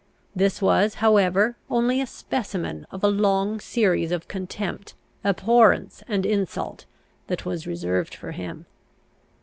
This was, however, only a specimen of a long series of contempt, abhorrence, and insult, that was reserved for him.